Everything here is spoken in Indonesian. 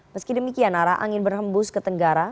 meski demikian arah angin berhembus ke tenggara